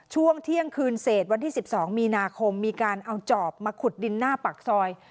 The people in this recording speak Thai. ช่วงเที่ยงคืนเศษวันที่๑๒มีนาคมมีการเอาจอบมาขุดดินหน้าปากซอย